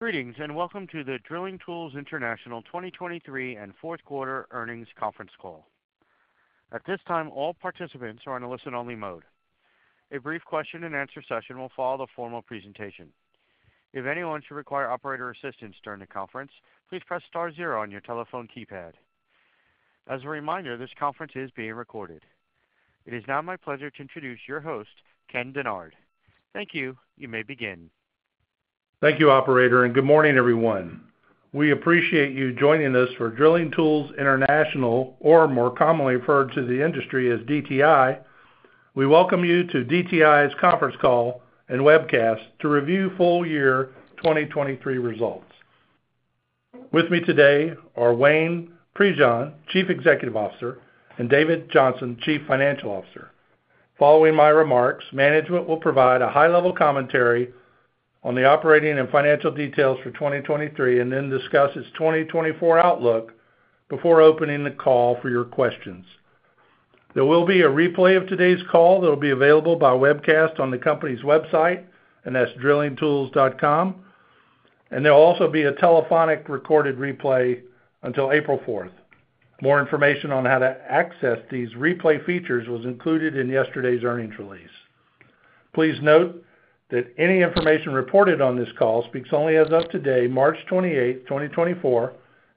Greetings, and welcome to the Drilling Tools International 2023 fourth quarter earnings conference call. At this time, all participants are on a listen-only mode. A brief question-and-answer session will follow the formal presentation. If anyone should require operator assistance during the conference, please press star zero on your telephone keypad. As a reminder, this conference is being recorded. It is now my pleasure to introduce your host, Ken Dennard. Thank you. You may begin. Thank you, operator, and good morning, everyone. We appreciate you joining us for Drilling Tools International, or more commonly referred to the industry as DTI. We welcome you to DTI's conference call and webcast to review full year 2023 results. With me today are Wayne Prejean, Chief Executive Officer, and David Johnson, Chief Financial Officer. Following my remarks, management will provide a high-level commentary on the operating and financial details for 2023, and then discuss its 2024 outlook before opening the call for your questions. There will be a replay of today's call that will be available by webcast on the company's website, and that's drillingtools.com. There'll also be a telephonic recorded replay until April fourth. More information on how to access these replay features was included in yesterday's earnings release. Please note that any information reported on this call speaks only as of today, March 28, 2024,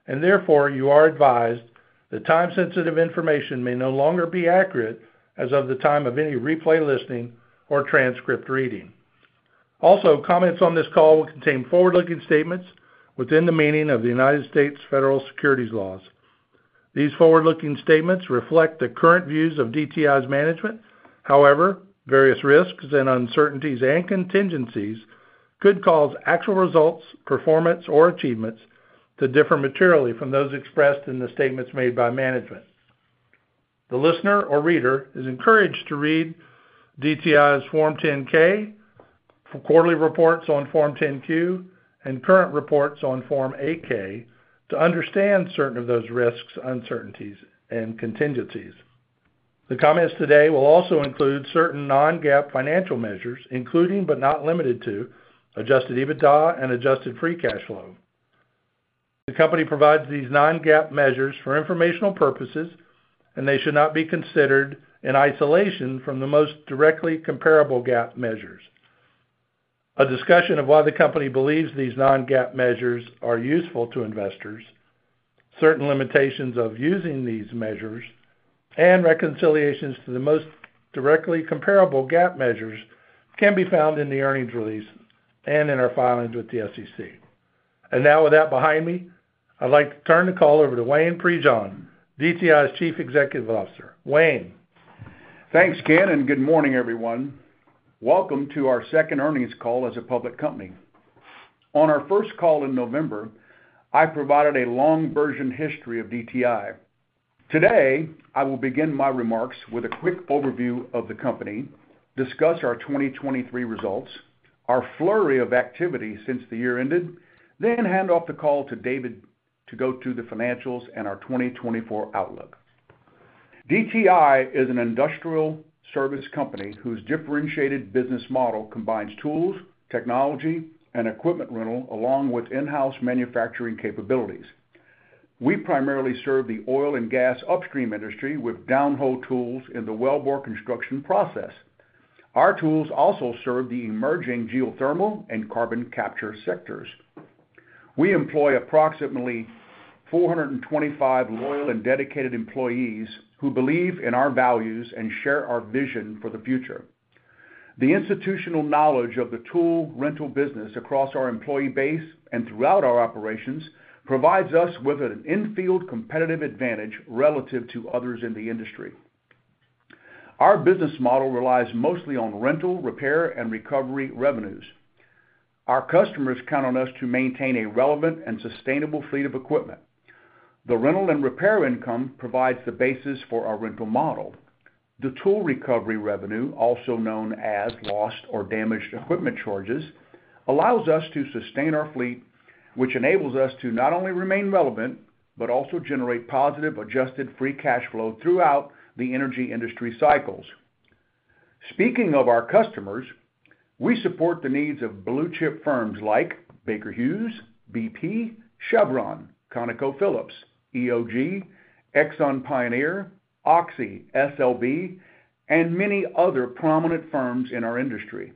and therefore, you are advised that time-sensitive information may no longer be accurate as of the time of any replay listening or transcript reading. Also, comments on this call will contain forward-looking statements within the meaning of the United States federal securities laws. These forward-looking statements reflect the current views of DTI's management. However, various risks and uncertainties, and contingencies could cause actual results, performance, or achievements to differ materially from those expressed in the statements made by management. The listener or reader is encouraged to read DTI's Form 10-K for quarterly reports on Form 10-Q and current reports on Form 8-K to understand certain of those risks, uncertainties, and contingencies. The comments today will also include certain non-GAAP financial measures, including, but not limited to, Adjusted EBITDA and Adjusted Free Cash Flow. The company provides these non-GAAP measures for informational purposes, and they should not be considered in isolation from the most directly comparable GAAP measures. A discussion of why the company believes these non-GAAP measures are useful to investors, certain limitations of using these measures, and reconciliations to the most directly comparable GAAP measures can be found in the earnings release and in our filings with the SEC. Now, with that behind me, I'd like to turn the call over to Wayne Prejean, DTI's Chief Executive Officer. Wayne? Thanks, Ken, and good morning, everyone. Welcome to our second earnings call as a public company. On our first call in November, I provided a long version history of DTI. Today, I will begin my remarks with a quick overview of the company, discuss our 2023 results, our flurry of activity since the year ended, then hand off the call to David to go through the financials and our 2024 outlook. DTI is an industrial service company whose differentiated business model combines tools, technology, and equipment rental, along with in-house manufacturing capabilities. We primarily serve the oil and gas upstream industry with downhole tools in the wellbore construction process. Our tools also serve the emerging geothermal and carbon capture sectors. We employ approximately 425 loyal and dedicated employees who believe in our values and share our vision for the future. The institutional knowledge of the tool rental business across our employee base and throughout our operations provides us with an in-field competitive advantage relative to others in the industry. Our business model relies mostly on rental, repair, and recovery revenues. Our customers count on us to maintain a relevant and sustainable fleet of equipment. The rental and repair income provides the basis for our rental model. The tool recovery revenue, also known as lost or damaged equipment charges, allows us to sustain our fleet, which enables us to not only remain relevant, but also generate positive Adjusted Free Cash Flow throughout the energy industry cycles. Speaking of our customers, we support the needs of blue-chip firms like Baker Hughes, BP, Chevron, ConocoPhillips, EOG, ExxonMobil, Pioneer, Oxy, SLB, and many other prominent firms in our industry.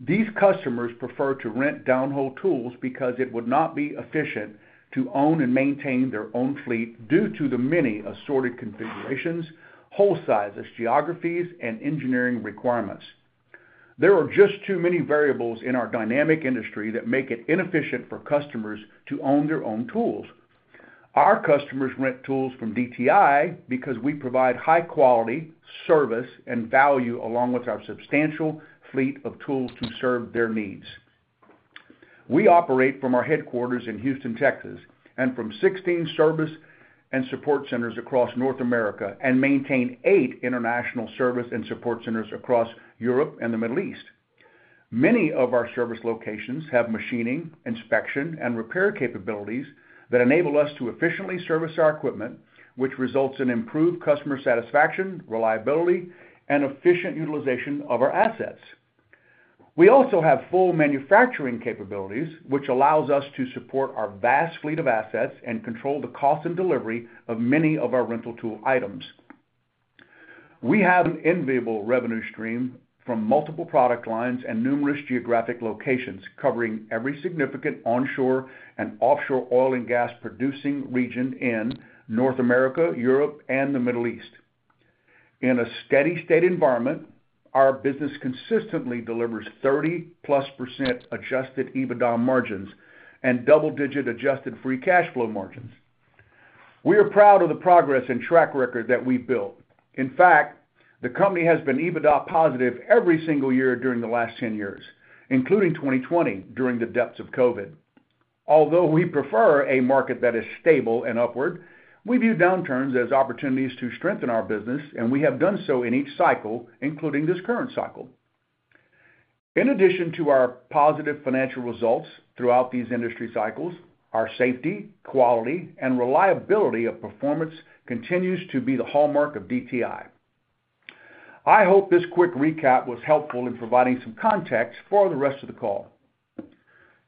These customers prefer to rent downhole tools because it would not be efficient to own and maintain their own fleet due to the many assorted configurations, hole sizes, geographies, and engineering requirements. There are just too many variables in our dynamic industry that make it inefficient for customers to own their own tools. Our customers rent tools from DTI because we provide high quality, service, and value, along with our substantial fleet of tools to serve their needs. We operate from our headquarters in Houston, Texas, and from 16 service and support centers across North America, and maintain eight international service and support centers across Europe and the Middle East. Many of our service locations have machining, inspection, and repair capabilities that enable us to efficiently service our equipment, which results in improved customer satisfaction, reliability, and efficient utilization of our assets. We also have full manufacturing capabilities, which allows us to support our vast fleet of assets and control the cost and delivery of many of our rental tool items. We have an enviable revenue stream from multiple product lines and numerous geographic locations, covering every significant onshore and offshore oil and gas producing region in North America, Europe, and the Middle East. In a steady state environment, our business consistently delivers 30%+ adjusted EBITDA margins and double-digit adjusted free cash flow margins. We are proud of the progress and track record that we've built. In fact, the company has been EBITDA positive every single year during the last 10 years, including 2020, during the depths of COVID. Although we prefer a market that is stable and upward, we view downturns as opportunities to strengthen our business, and we have done so in each cycle, including this current cycle. In addition to our positive financial results throughout these industry cycles, our safety, quality, and reliability of performance continues to be the hallmark of DTI. I hope this quick recap was helpful in providing some context for the rest of the call.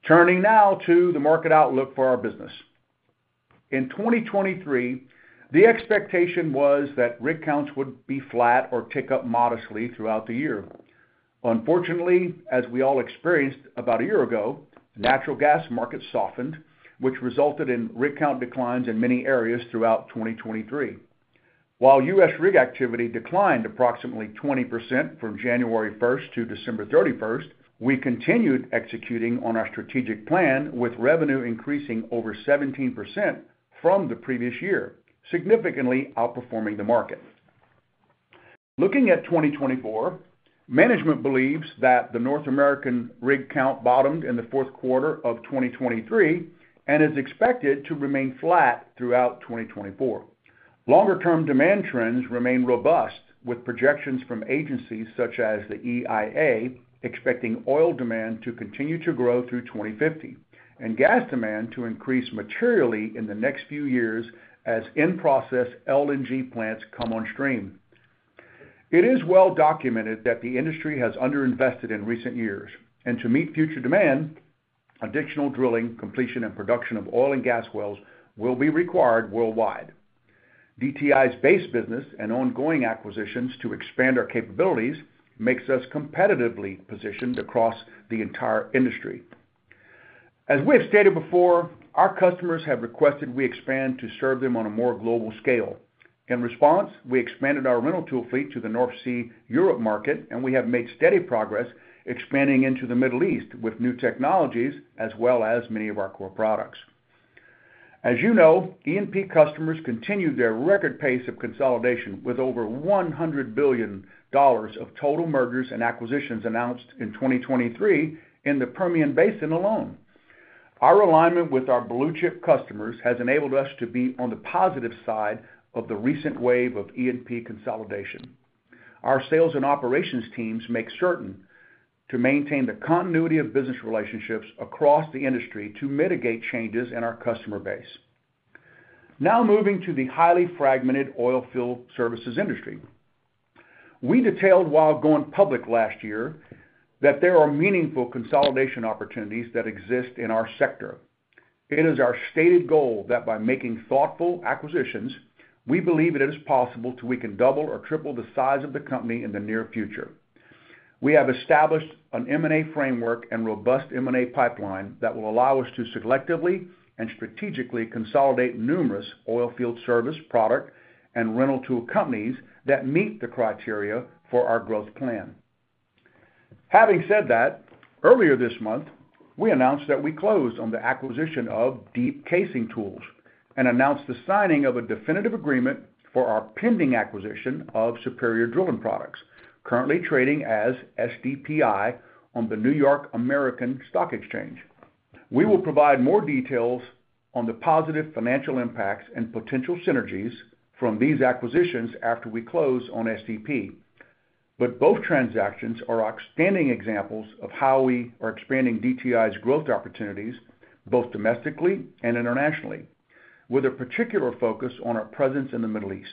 Turning now to the market outlook for our business. In 2023, the expectation was that rig counts would be flat or tick up modestly throughout the year. Unfortunately, as we all experienced about a year ago, the natural gas market softened, which resulted in rig count declines in many areas throughout 2023. While U.S. rig activity declined approximately 20% from January 1 to December 31, we continued executing on our strategic plan, with revenue increasing over 17% from the previous year, significantly outperforming the market. Looking at 2024, management believes that the North American rig count bottomed in the fourth quarter of 2023 and is expected to remain flat throughout 2024. Longer-term demand trends remain robust, with projections from agencies such as the EIA, expecting oil demand to continue to grow through 2050 and gas demand to increase materially in the next few years as in-process LNG plants come on stream. It is well documented that the industry has underinvested in recent years, and to meet future demand, additional drilling, completion, and production of oil and gas wells will be required worldwide. DTI's base business and ongoing acquisitions to expand our capabilities makes us competitively positioned across the entire industry. As we have stated before, our customers have requested we expand to serve them on a more global scale. In response, we expanded our rental tool fleet to the North Sea Europe market, and we have made steady progress expanding into the Middle East with new technologies as well as many of our core products. As you know, E&P customers continued their record pace of consolidation, with over $100 billion of total mergers and acquisitions announced in 2023 in the Permian Basin alone. Our alignment with our blue-chip customers has enabled us to be on the positive side of the recent wave of E&P consolidation. Our sales and operations teams make certain to maintain the continuity of business relationships across the industry to mitigate changes in our customer base. Now moving to the highly fragmented oilfield services industry. We detailed while going public last year, that there are meaningful consolidation opportunities that exist in our sector. It is our stated goal that by making thoughtful acquisitions, we believe it is possible to we can double or triple the size of the company in the near future. We have established an M&A framework and robust M&A pipeline that will allow us to selectively and strategically consolidate numerous oilfield service, product, and rental tool companies that meet the criteria for our growth plan. Having said that, earlier this month, we announced that we closed on the acquisition of Deep Casing Tools and announced the signing of a definitive agreement for our pending acquisition of Superior Drilling Products, currently trading as SDPI on the New York American Stock Exchange. We will provide more details on the positive financial impacts and potential synergies from these acquisitions after we close on SDP. But both transactions are outstanding examples of how we are expanding DTI's growth opportunities, both domestically and internationally, with a particular focus on our presence in the Middle East.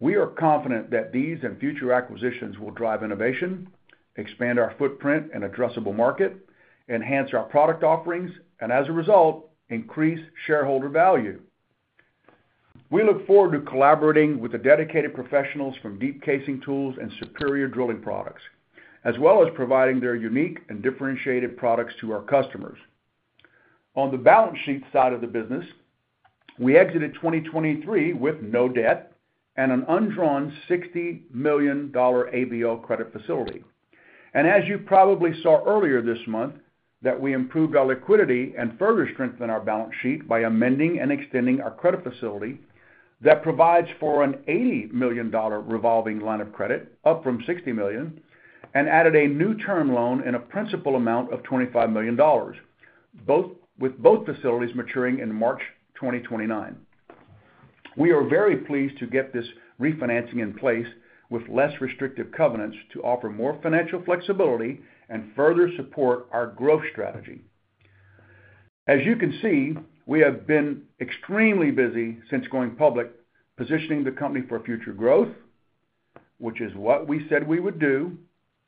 We are confident that these and future acquisitions will drive innovation, expand our footprint and addressable market, enhance our product offerings, and as a result, increase shareholder value. We look forward to collaborating with the dedicated professionals from Deep Casing Tools and Superior Drilling Products, as well as providing their unique and differentiated products to our customers. On the balance sheet side of the business, we exited 2023 with no debt and an undrawn $60 million ABL credit facility. As you probably saw earlier this month, that we improved our liquidity and further strengthened our balance sheet by amending and extending our credit facility that provides for an $80 million revolving line of credit, up from $60 million, and added a new term loan in a principal amount of $25 million, both with both facilities maturing in March 2029. We are very pleased to get this refinancing in place with less restrictive covenants to offer more financial flexibility and further support our growth strategy.... As you can see, we have been extremely busy since going public, positioning the company for future growth, which is what we said we would do,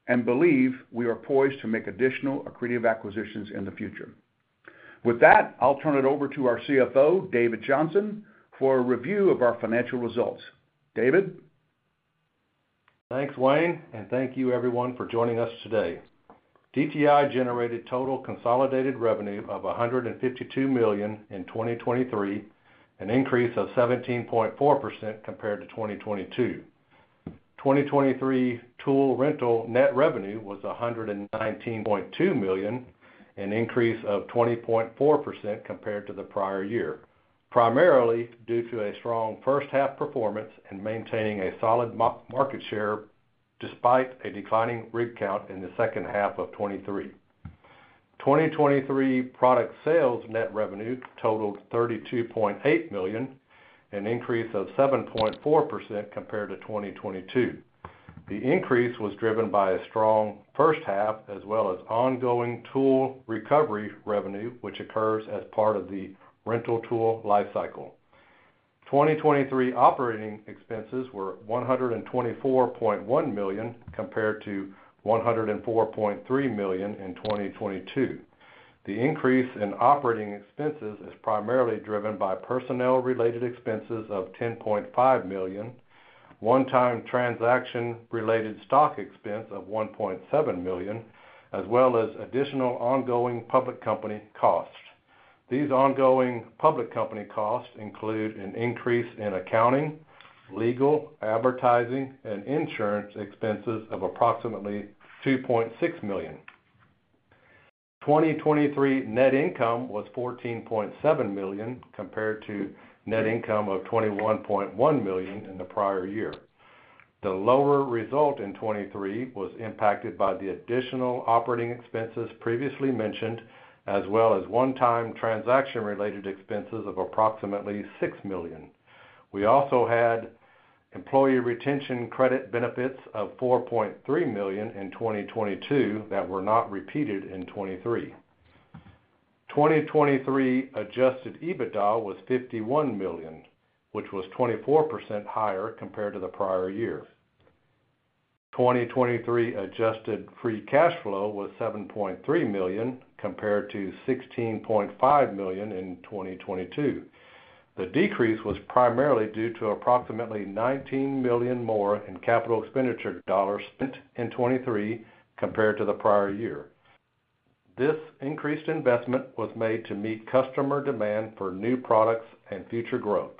and believe we are poised to make additional accretive acquisitions in the future. With that, I'll turn it over to our CFO, David Johnson, for a review of our financial results. David? Thanks, Wayne, and thank you everyone for joining us today. DTI generated total consolidated revenue of $152 million in 2023, an increase of 17.4% compared to 2022. 2023 tool rental net revenue was $119.2 million, an increase of 20.4% compared to the prior year, primarily due to a strong first half performance and maintaining a solid market share despite a declining rig count in the second half of 2023. 2023 product sales net revenue totaled $32.8 million, an increase of 7.4% compared to 2022. The increase was driven by a strong first half, as well as ongoing tool recovery revenue, which occurs as part of the rental tool life cycle. 2023 operating expenses were $124.1 million, compared to $104.3 million in 2022. The increase in operating expenses is primarily driven by personnel-related expenses of $10.5 million, one-time transaction-related stock expense of $1.7 million, as well as additional ongoing public company costs. These ongoing public company costs include an increase in accounting, legal, advertising, and insurance expenses of approximately $2.6 million. 2023 net income was $14.7 million, compared to net income of $21.1 million in the prior year. The lower result in 2023 was impacted by the additional operating expenses previously mentioned, as well as one-time transaction-related expenses of approximately $6 million. We also had employee retention credit benefits of $4.3 million in 2022 that were not repeated in 2023. 2023 Adjusted EBITDA was $51 million, which was 24% higher compared to the prior year. 2023 Adjusted Free Cash Flow was $7.3 million, compared to $16.5 million in 2022. The decrease was primarily due to approximately $19 million more in capital expenditure dollars spent in 2023 compared to the prior year. This increased investment was made to meet customer demand for new products and future growth.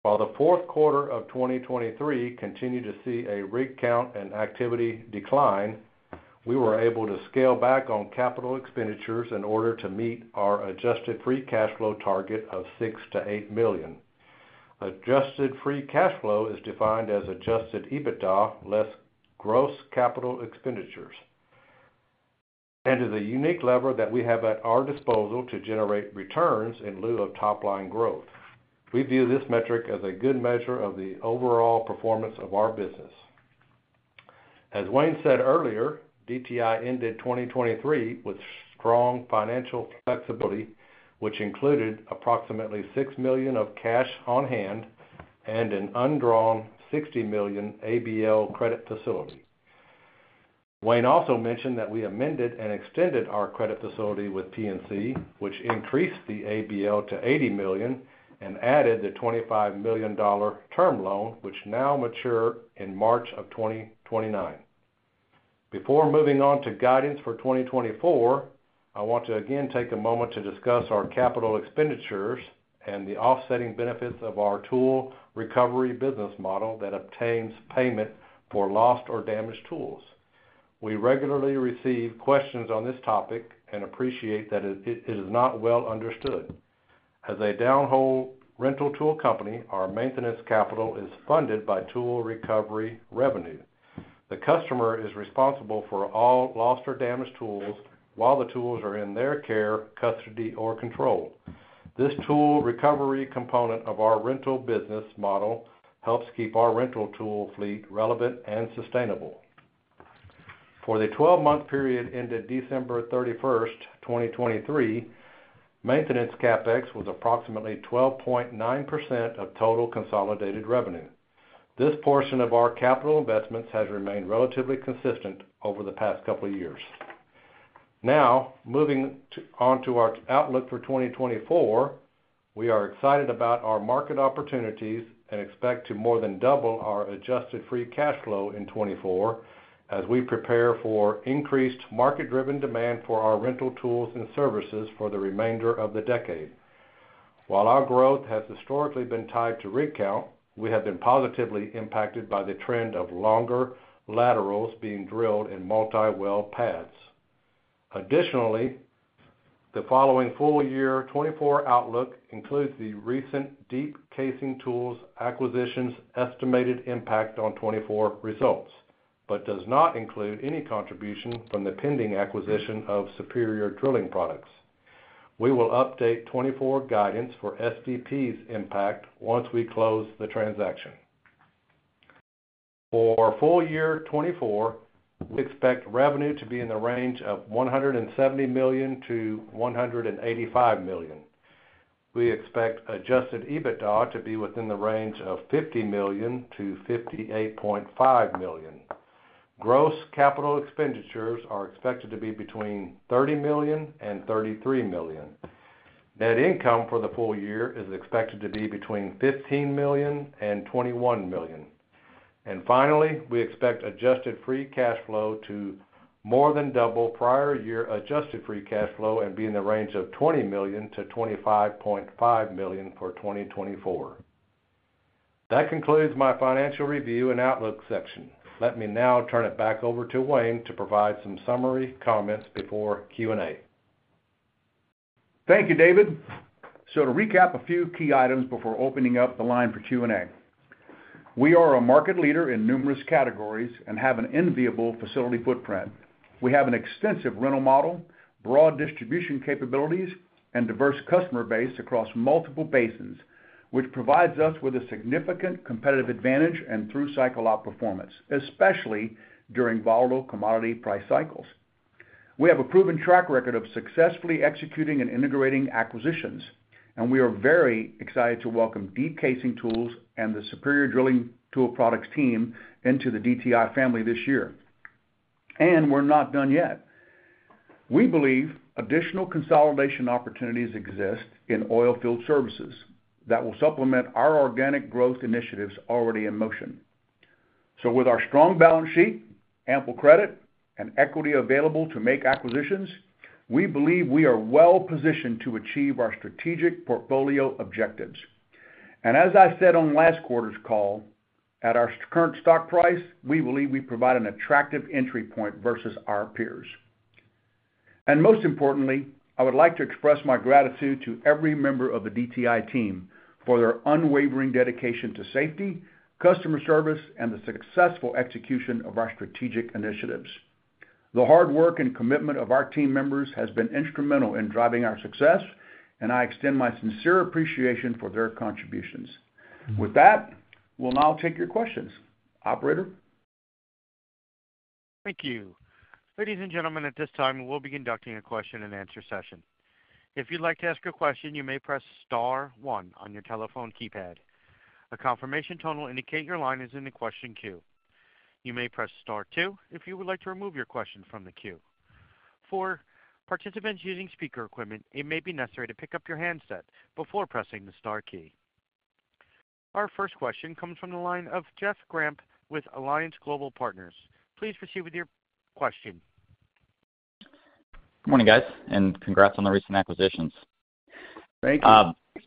While the fourth quarter of 2023 continued to see a rig count and activity decline, we were able to scale back on capital expenditures in order to meet our Adjusted Free Cash Flow target of $6 million-$8 million. Adjusted Free Cash Flow is defined as Adjusted EBITDA less gross capital expenditures, and is a unique lever that we have at our disposal to generate returns in lieu of top-line growth. We view this metric as a good measure of the overall performance of our business. As Wayne said earlier, DTI ended 2023 with strong financial flexibility, which included approximately $6 million of cash on hand and an undrawn $60 million ABL credit facility. Wayne also mentioned that we amended and extended our credit facility with PNC, which increased the ABL to $80 million and added the $25 million dollar term loan, which now mature in March of 2029. Before moving on to guidance for 2024, I want to again take a moment to discuss our capital expenditures and the offsetting benefits of our tool recovery business model that obtains payment for lost or damaged tools. We regularly receive questions on this topic and appreciate that it is not well understood. As a downhole rental tool company, our maintenance capital is funded by tool recovery revenue. The customer is responsible for all lost or damaged tools while the tools are in their care, custody, or control. This tool recovery component of our rental business model helps keep our rental tool fleet relevant and sustainable. For the 12-month period ended December 31, 2023, maintenance CapEx was approximately 12.9% of total consolidated revenue. This portion of our capital investments has remained relatively consistent over the past couple of years. Now, moving on to our outlook for 2024, we are excited about our market opportunities and expect to more than double our adjusted free cash flow in 2024, as we prepare for increased market-driven demand for our rental tools and services for the remainder of the decade. While our growth has historically been tied to rig count, we have been positively impacted by the trend of longer laterals being drilled in multi-well pads. Additionally, the following full year 2024 outlook includes the recent Deep Casing Tools acquisition's estimated impact on 2024 results, but does not include any contribution from the pending acquisition of Superior Drilling Products. We will update 2024 guidance for SDP's impact once we close the transaction. For our full year 2024, we expect revenue to be in the range of $170 million-$185 million. We expect Adjusted EBITDA to be within the range of $50 million-$58.5 million. Gross capital expenditures are expected to be between $30 million-$33 million. Net income for the full year is expected to be between $15 million-$21 million. Finally, we expect Adjusted Free Cash Flow to more than double prior year Adjusted Free Cash Flow and be in the range of $20 million-$25.5 million for 2024. That concludes my financial review and outlook section. Let me now turn it back over to Wayne to provide some summary comments before Q&A. Thank you, David. To recap a few key items before opening up the line for Q&A. We are a market leader in numerous categories and have an enviable facility footprint. We have an extensive rental model, broad distribution capabilities, and diverse customer base across multiple basins, which provides us with a significant competitive advantage and through cycle outperformance, especially during volatile commodity price cycles. We have a proven track record of successfully executing and integrating acquisitions, and we are very excited to welcome Deep Casing Tools and the Superior Drilling Products team into the DTI family this year. We're not done yet. We believe additional consolidation opportunities exist in oilfield services that will supplement our organic growth initiatives already in motion. So with our strong balance sheet, ample credit, and equity available to make acquisitions, we believe we are well positioned to achieve our strategic portfolio objectives. And as I said on last quarter's call, at our current stock price, we believe we provide an attractive entry point versus our peers. And most importantly, I would like to express my gratitude to every member of the DTI team for their unwavering dedication to safety, customer service, and the successful execution of our strategic initiatives. The hard work and commitment of our team members has been instrumental in driving our success, and I extend my sincere appreciation for their contributions. With that, we'll now take your questions. Operator? Thank you. Ladies and gentlemen, at this time, we'll be conducting a question-and-answer session. If you'd like to ask a question, you may press star one on your telephone keypad. A confirmation tone will indicate your line is in the question queue. You may press star two if you would like to remove your question from the queue. For participants using speaker equipment, it may be necessary to pick up your handset before pressing the star key. Our first question comes from the line of Jeff Grampp with Alliance Global Partners. Please proceed with your question. Good morning, guys, and congrats on the recent acquisitions. Thank you.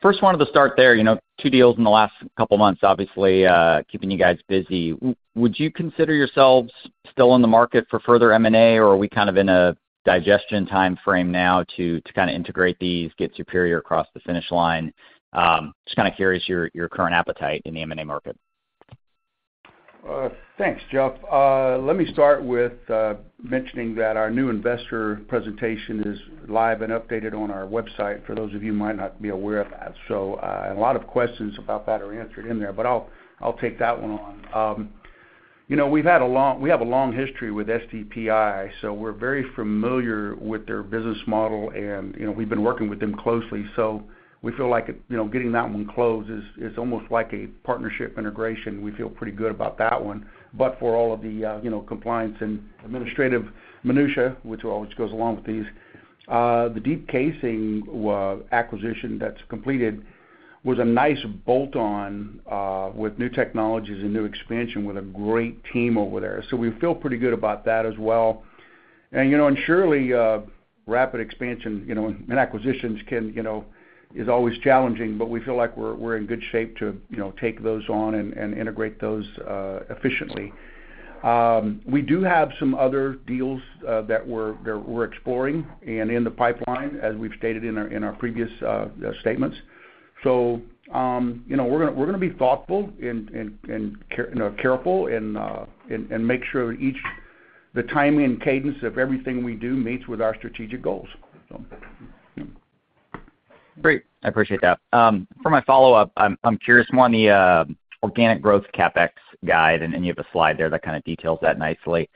First, wanted to start there, you know, two deals in the last couple of months, obviously, keeping you guys busy. Would you consider yourselves still in the market for further M&A, or are we kind of in a digestion timeframe now to kind of integrate these, get Superior across the finish line? Just kind of curious your current appetite in the M&A market. Thanks, Jeff. Let me start with mentioning that our new investor presentation is live and updated on our website, for those of you who might not be aware of that. A lot of questions about that are answered in there, but I'll, I'll take that one on. You know, we have a long history with SDPI, so we're very familiar with their business model and, you know, we've been working with them closely, so we feel like, you know, getting that one closed is, is almost like a partnership integration. We feel pretty good about that one. But for all of the, you know, compliance and administrative minutia, which always goes along with these, the Deep Casing acquisition that's completed was a nice bolt-on, with new technologies and new expansion, with a great team over there. So we feel pretty good about that as well. And, you know, and surely, rapid expansion, you know, and acquisitions can, you know, is always challenging, but we feel like we're in good shape to, you know, take those on and integrate those efficiently. We do have some other deals that we're exploring and in the pipeline, as we've stated in our previous statements. So, you know, we're gonna be thoughtful and careful, you know, and make sure the timing and cadence of everything we do meets with our strategic goals. So... Great. I appreciate that. For my follow-up, I'm curious, the organic growth CapEx guide, and you have a slide there that kind of details that nicely.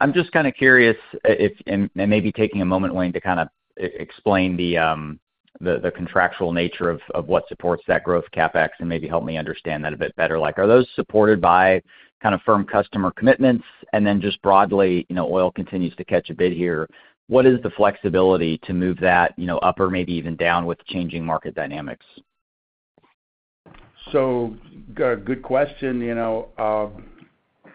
I'm just kind of curious if... And maybe taking a moment, Wayne, to kind of explain the contractual nature of what supports that growth CapEx and maybe help me understand that a bit better. Like, are those supported by kind of firm customer commitments? And then just broadly, you know, oil continues to catch a bid here. What is the flexibility to move that, you know, up or maybe even down with changing market dynamics? So, good, good question. You know,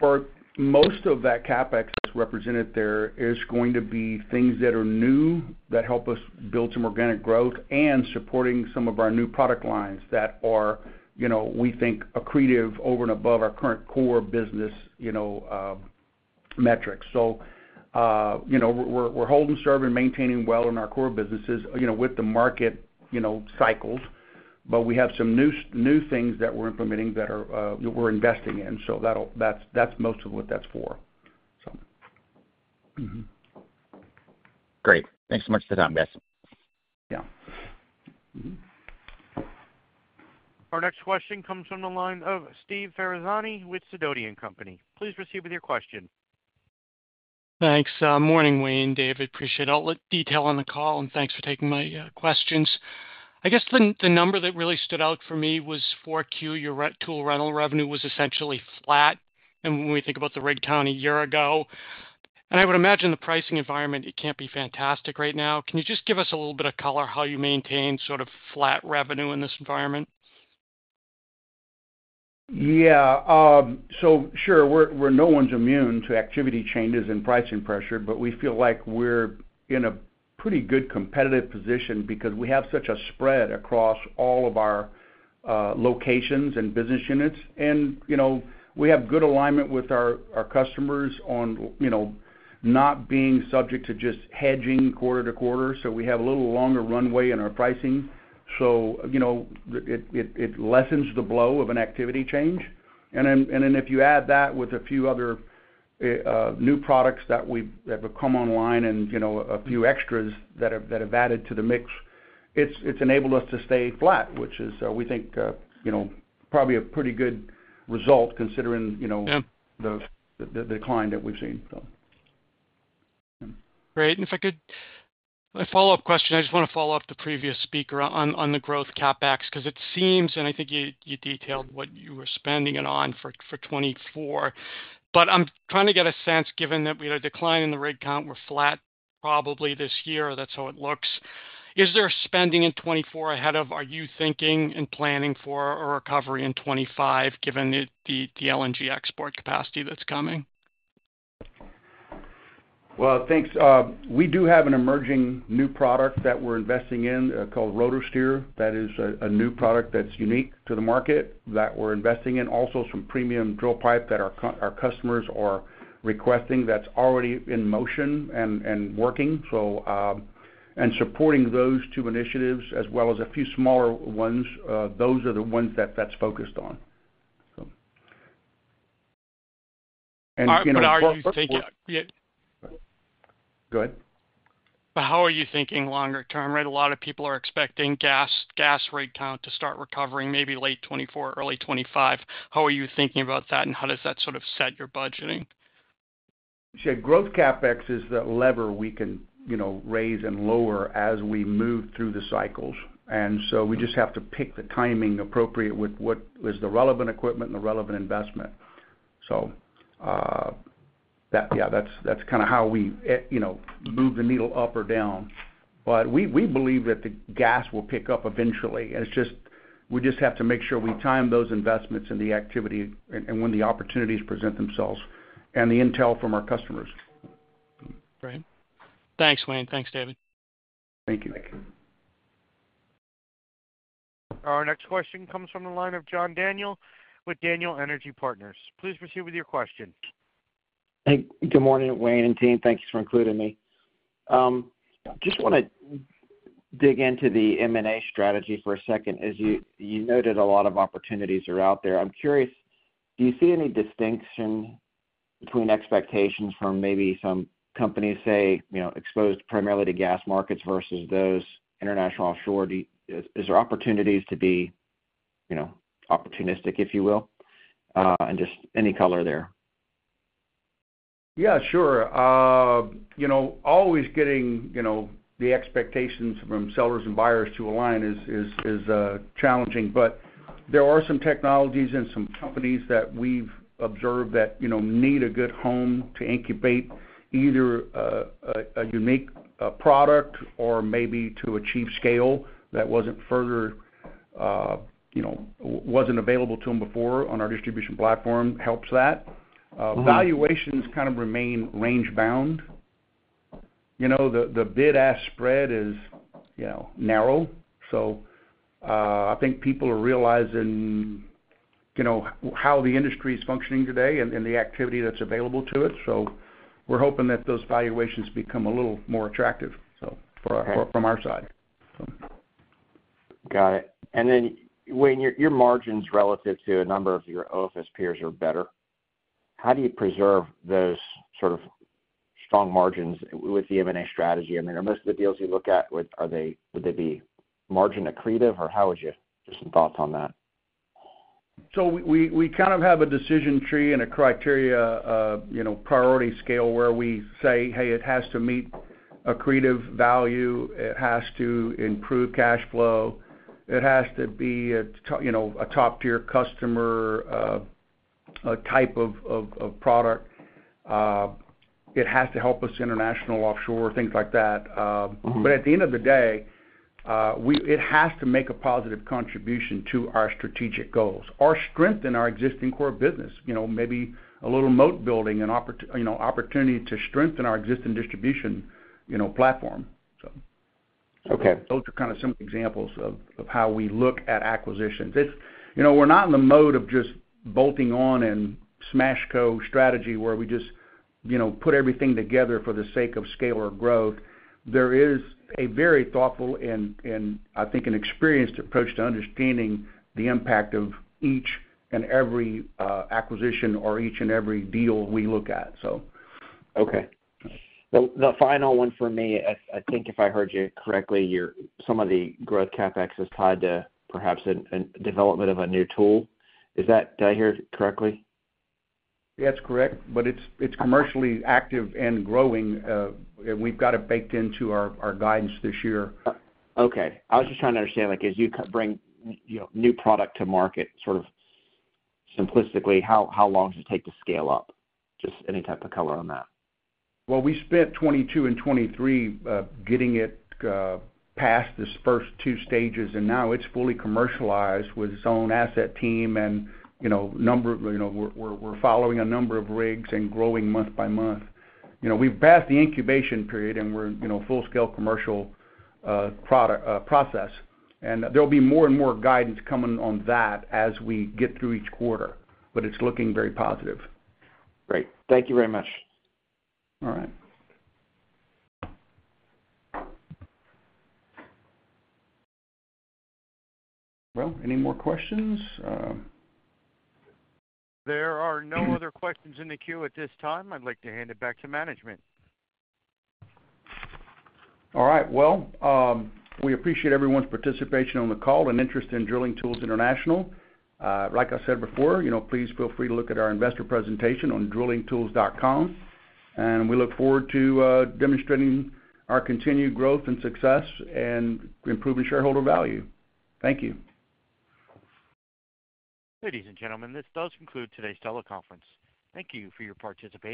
for most of that CapEx that's represented there is going to be things that are new, that help us build some organic growth and supporting some of our new product lines that are, you know, we think, accretive over and above our current core business, you know, metrics. So, you know, we're holding serve and maintaining well in our core businesses, you know, with the market, you know, cycles, but we have some new things that we're implementing that are, we're investing in, so that'll, that's, that's most of what that's for.... Mm-hmm. Great. Thanks so much for the time, guys. Yeah. Mm-hmm. Our next question comes from the line of Steve Ferazani with Sidoti & Company. Please proceed with your question. Thanks. Morning, Wayne, David. Appreciate all the detail on the call, and thanks for taking my questions. I guess the number that really stood out for me was Q4. Your rental tool revenue was essentially flat, and when we think about the rig count a year ago, and I would imagine the pricing environment, it can't be fantastic right now. Can you just give us a little bit of color how you maintain sort of flat revenue in this environment? Yeah, so sure, we're no one's immune to activity changes and pricing pressure, but we feel like we're in a pretty good competitive position because we have such a spread across all of our locations and business units. And, you know, we have good alignment with our customers on, you know, not being subject to just hedging quarter to quarter, so we have a little longer runway in our pricing. So, you know, it lessens the blow of an activity change. And then if you add that with a few other new products that we've that have come online and, you know, a few extras that have that have added to the mix, it's enabled us to stay flat, which is, we think, you know, probably a pretty good result considering, you know- Yeah the decline that we've seen. So. Great. And if I could, my follow-up question, I just wanna follow up the previous speaker on the growth CapEx, 'cause it seems, and I think you detailed what you were spending it on for 2024. But I'm trying to get a sense, given that we had a decline in the rig count, we're flat probably this year, that's how it looks. Is there spending in 2024 ahead of... Are you thinking and planning for a recovery in 2025, given the LNG export capacity that's coming? Well, thanks. We do have an emerging new product that we're investing in, called RotoSteer. That is a new product that's unique to the market that we're investing in. Also, some premium drill pipe that our customers are requesting that's already in motion and working. So, supporting those two initiatives, as well as a few smaller ones, those are the ones that's focused on, so. And, you know- But are you thinking? Go ahead. But how are you thinking longer term, right? A lot of people are expecting gas, gas rig count to start recovering maybe late 2024, early 2025. How are you thinking about that, and how does that sort of set your budgeting? Sure. Growth CapEx is the lever we can, you know, raise and lower as we move through the cycles. And so we just have to pick the timing appropriate with what is the relevant equipment and the relevant investment. So, that, yeah, that's, that's kind of how we, you know, move the needle up or down. But we, we believe that the gas will pick up eventually. It's just, we just have to make sure we time those investments and the activity and, and when the opportunities present themselves and the intel from our customers. Great. Thanks, Wayne. Thanks, David. Thank you. Our next question comes from the line of John Daniel with Daniel Energy Partners. Please proceed with your question. Hey, good morning, Wayne and team. Thank you for including me. Just wanna dig into the M&A strategy for a second. As you noted, a lot of opportunities are out there. I'm curious, do you see any distinction between expectations from maybe some companies, say, you know, exposed primarily to gas markets versus those international offshore? Is there opportunities to be, you know, opportunistic, if you will? And just any color there. Yeah, sure. You know, always getting, you know, the expectations from sellers and buyers to align is challenging. But there are some technologies and some companies that we've observed that, you know, need a good home to incubate either a unique product or maybe to achieve scale that wasn't available to them before on our distribution platform, helps that. Mm-hmm. Valuations kind of remain range bound. You know, the bid-ask spread is, you know, narrow. So, I think people are realizing, you know, how the industry is functioning today and the activity that's available to it. So we're hoping that those valuations become a little more attractive, so from our side, so. Got it. And then, Wayne, your margins relative to a number of your OFS peers are better. How do you preserve those sort of strong margins with the M&A strategy? I mean, are most of the deals you look at, would they be margin accretive, or how would you? Just some thoughts on that? So we kind of have a decision tree and a criteria, you know, priority scale, where we say, "Hey, it has to meet accretive value, it has to improve cash flow, it has to be a, you know, a top-tier customer, a type of product, it has to help us international, offshore, things like that. Mm-hmm. But at the end of the day, it has to make a positive contribution to our strategic goals, or strengthen our existing core business, you know, maybe a little moat building and, you know, opportunity to strengthen our existing distribution, you know, platform, so. Okay. Those are kind of some examples of how we look at acquisitions. It's, you know, we're not in the mode of just bolting on and smash co strategy, where we just, you know, put everything together for the sake of scale or growth. There is a very thoughtful and, I think, an experienced approach to understanding the impact of each and every acquisition or each and every deal we look at, so. Okay. Well, the final one for me, I think if I heard you correctly, your, some of the growth CapEx is tied to perhaps a development of a new tool. Is that, did I hear correctly? Yeah, it's correct, but it's, it's commercially active and growing. And we've got it baked into our, our guidance this year. Okay. I was just trying to understand, like, as you bring, you know, new product to market, sort of simplistically, how long does it take to scale up? Just any type of color on that. Well, we spent 2022 and 2023 getting it past this first two stages, and now it's fully commercialized with its own asset team and, you know, number, you know, we're following a number of rigs and growing month by month. You know, we've passed the incubation period, and we're, you know, full-scale commercial production process. There'll be more and more guidance coming on that as we get through each quarter, but it's looking very positive. Great. Thank you very much. All right. Well, any more questions? There are no other questions in the queue at this time. I'd like to hand it back to management. All right. Well, we appreciate everyone's participation on the call and interest in Drilling Tools International. Like I said before, you know, please feel free to look at our investor presentation on drillingtools.com. We look forward to demonstrating our continued growth and success and improving shareholder value. Thank you. Ladies and gentlemen, this does conclude today's teleconference. Thank you for your participation.